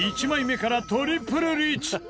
１枚目からトリプルリーチ！